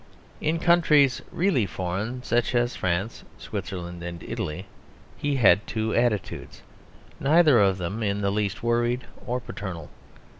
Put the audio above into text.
In countries really foreign, such as France, Switzerland, and Italy, he had two attitudes, neither of them in the least worried or paternal.